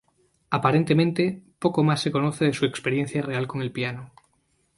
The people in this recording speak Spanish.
Aparentemente, poco más se conoce de su experiencia real con el piano.